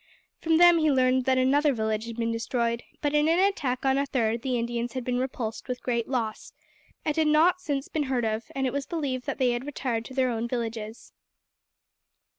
From them he learned that another village had been destroyed; but in an attack on a third the Indians had been repulsed with great loss, and had not since been heard of, and it was believed that they had retired to their own villages.